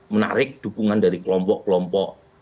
menarik dukungan dari kelompok kelompok